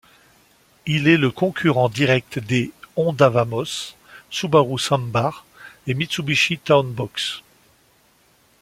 Il est le concurrent direct des Honda Vamos, Subaru Sambar et Mitsubishi Town Box.